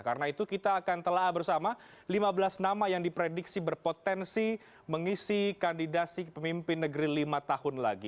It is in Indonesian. karena itu kita akan telah bersama lima belas nama yang diprediksi berpotensi mengisi kandidasi pemimpin negeri lima tahun lagi